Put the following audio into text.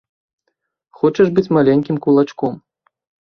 Хочаш быць маленькім кулачком.